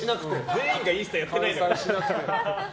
全員がインスタやってないですから。